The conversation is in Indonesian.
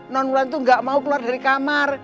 nuan ulan tuh nggak mau keluar dari kamar